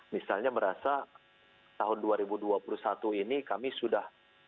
misalnya merasa tahun dua ribu dua puluh satu ini kami sudah